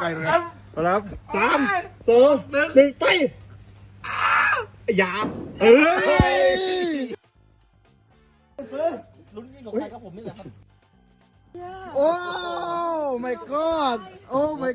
เอาล่ะโชว์สำบัดจะพูดได้